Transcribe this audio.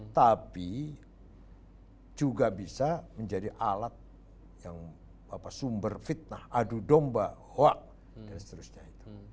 tapi juga bisa menjadi alat yang sumber fitnah adu domba hoak dan seterusnya itu